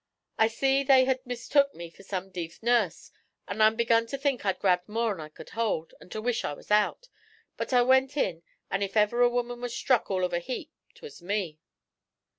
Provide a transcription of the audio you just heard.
I see they had mistook me for some deef nurse, an' I begun to think I'd grabbed more'n I could hold, an' to wish I was out. But I went in, an' if ever a woman was struck all of a heap, 'twas me.'